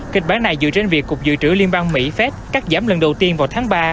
kịch bản này dựa trên việc cục dự trữ liên bang mỹ phép cắt giảm lần đầu tiên vào tháng ba